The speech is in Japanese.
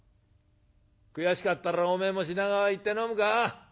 悔しかったらおめえも品川行って飲むか？